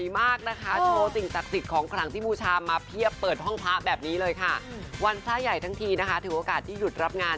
ไม่ได้เห็นเท่าไหร่เลยนะ